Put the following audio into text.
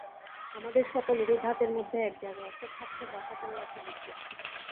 আমাদের সকলেরই ধাতের মধ্যে এক জায়গায় একটা ছাত্র বাসা করে আছে বোধ করি।